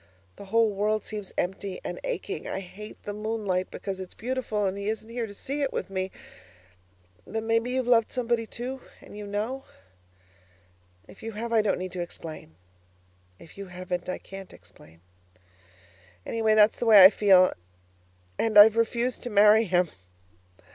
The whole world seems empty and aching. I hate the moonlight because it's beautiful and he isn't here to see it with me. But maybe you've loved somebody, too, and you know? If you have, I don't need to explain; if you haven't, I can't explain. Anyway, that's the way I feel and I've refused to marry him.